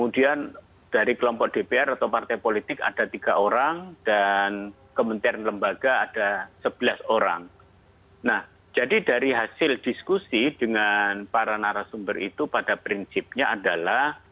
jadi dari hasil diskusi dengan para narasumber itu pada prinsipnya adalah